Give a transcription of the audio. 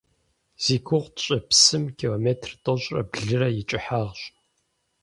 Зи гугъу тщӏы псым километр тӏощӏрэ блырэ и кӀыхьагъщ.